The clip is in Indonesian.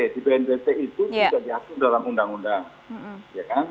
di bnpt itu sudah diatur dalam undang undang